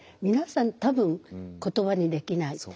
皆さん多分言葉にできない。